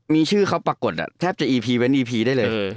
มีชื่อเขาปรากฏแทบจะอีพีเวนต์อีพีได้เลย